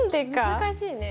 難しいね。